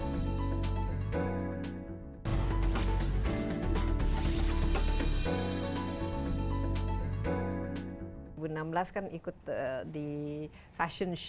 tidak apa itu saya perlu ada gluten buat segel mary hadirinem level ini